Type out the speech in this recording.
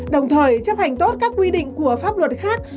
đồng thời chấp hành tốt các quy định của pháp luật khác